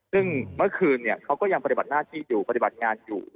ซึ่งเมื่อคืนเขาก็ยังปฏิบัติหน้าที่อยู่ปฏิบัติงานอยู่